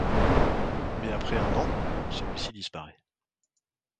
Mais après un an, celui-ci disparait.